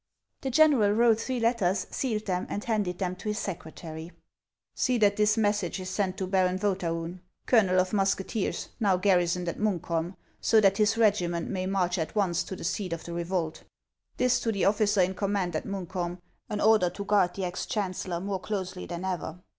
The general wrote three letters, sealed them, and handed them to his secretary. HANS OF ICELAND. 223 " See that this message is sent to Baron Vcethaiin, colonel of musketeers, now garrisoned at Munkholm, so that his regiment may march at once to the seat of the revolt ; this to the officer in command at Munkholm, an order to guard the ex chaiicellor more closely than ever.